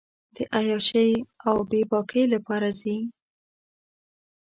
د عیاشۍ اوبېباکۍ لپاره ځي.